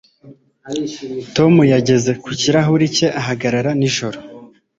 Tom yageze ku kirahure cye ahagarara nijoro.